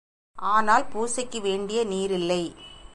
ஆனால் பூசைக்கு வேண்டிய நீரில்லை.